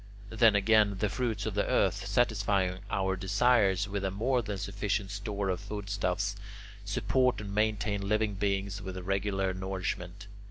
Then again, the fruits of the earth, satisfying our desires with a more than sufficient store of food stuffs, support and maintain living beings with regular nourishment.